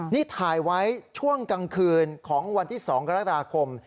นี่ถ่ายไว้ช่วงกลางคืนของวันที่๒กรกฎาคม